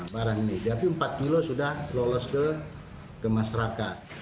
barang ini tapi empat kilo sudah lolos ke masyarakat